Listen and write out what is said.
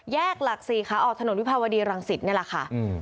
แยกหลักสี่ค่ะออกถนนวิภาวดีรังสิตนี่แหละค่ะอืม